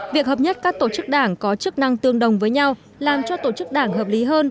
việc hợp nhất các tổ chức đảng có chức năng tương đồng với nhau làm cho tổ chức đảng hợp lý hơn